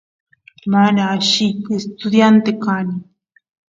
mana alli estudiante kani